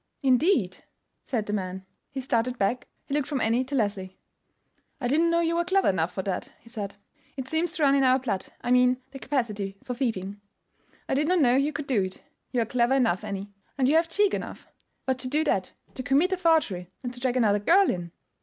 "Indeed!" said the man. He started back. He looked from Annie to Leslie. "I didn't know you were clever enough for that," he said; "it seems to run in our blood—I mean the capacity for thieving. I did not know you could do it. You are clever enough, Annie, and you have cheek enough; but to do that, to commit a forgery, and to drag another girl in!"